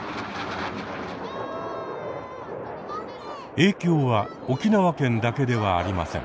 影響は沖縄県だけではありません。